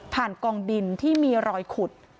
ผ่านกล่องดินที่มีรอยขุด